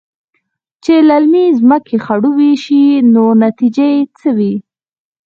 چې للمې زمکې خړوبې شي نو نتيجه يې څۀ وي؟